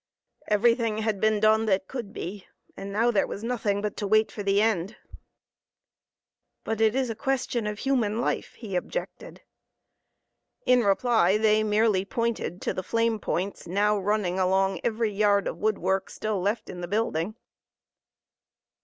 Everything had been done that could be, and now there was nothing but to wait for the end. "But it is a question of human life," he objected. In reply they merely pointed to the flame points now running along every yard of woodwork still left in the building.